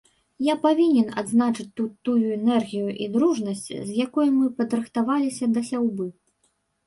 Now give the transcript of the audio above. Я павінен адзначыць тут тую энергію і дружнасць, з якой мы падрыхтаваліся да сяўбы.